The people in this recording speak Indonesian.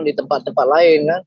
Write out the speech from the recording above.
di tempat tempat lain